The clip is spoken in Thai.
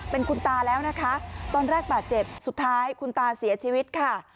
เป็นคุณตาแล้วนะคะตอนแรกบาดเจ็บสุดท้ายคุณตาเสียชีวิตค่ะ